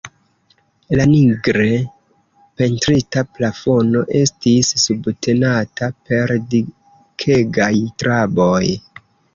La nigre pentrita plafono estis subtenata per dikegaj traboj.